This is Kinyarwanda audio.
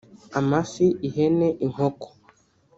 amafi ihene inkoko